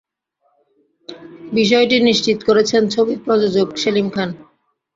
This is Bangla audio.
বিষয়টি নিশ্চিত করেছেন ছবির প্রযোজক সেলিম খান।